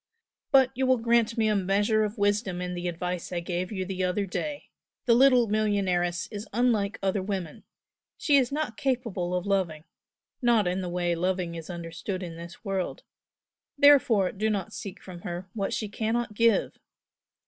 "But you will grant me a measure of wisdom in the advice I gave you the other day the little millionairess is unlike other women she is not capable of loving, not in the way loving is understood in this world, therefore do not seek from her what she cannot give!